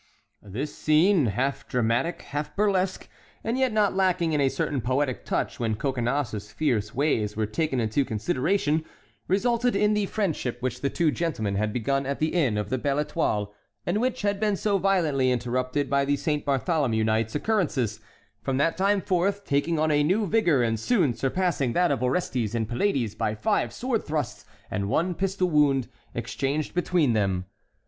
This scene, half dramatic, half burlesque, and yet not lacking in a certain poetic touch when Coconnas's fierce ways were taken into consideration, resulted in the friendship which the two gentlemen had begun at the Inn of the Belle Étoile, and which had been so violently interrupted by the Saint Bartholomew night's occurrences, from that time forth taking on a new vigor and soon surpassing that of Orestes and Pylades by five sword thrusts and one pistol wound exchanged between them.